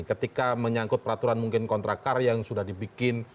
ketika menyangkut peraturan mungkin kontrakar yang sudah dibikin